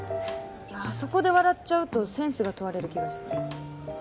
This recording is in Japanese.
いやあそこで笑っちゃうとセンスが問われる気がして。